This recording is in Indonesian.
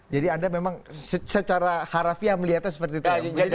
jadi anda memang secara harafi yang melihatnya seperti itu ya